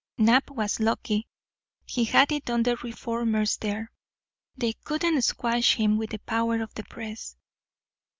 Nap was lucky. He had it on the reformers there. They couldn't squash him with the power of the press."